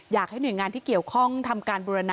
อยากให้หน่วยงานที่เกี่ยวข้องทำการบูรณา